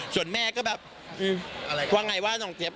ส่วนแม่ก็แบบ